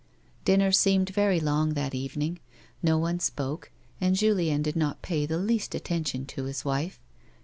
Dinner seemed very long that evening ; no one spoke, and Julien did not pay the least attention to his wife.